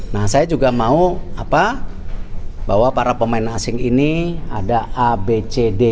nah saya juga mau bahwa para pemain asing ini ada abc